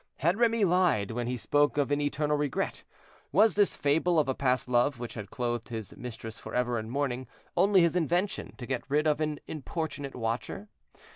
Had Remy lied when he spoke of an eternal regret? was this fable of a past love, which had clothed his mistress forever in mourning, only his invention to get rid of an importunate watcher?